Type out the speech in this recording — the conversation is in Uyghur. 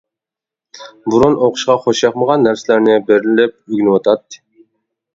بۇرۇن ئوقۇشقا خوش ياقمىغان نەرسىلەرنى بېرىلىپ ئۆگىنىۋاتاتتى.